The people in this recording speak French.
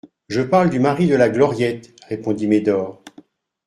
Je parle du mari de la Gloriette, répondit Médor.